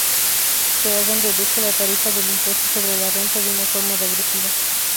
Reagan redujo la tarifa del impuesto sobre la renta, de una forma regresiva.